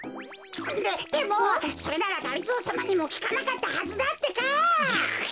ででもそれならがりぞーさまにもきかなかったはずだってか！